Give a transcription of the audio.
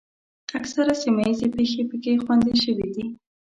اکثره سیمه ییزې پېښې پکې خوندي شوې دي.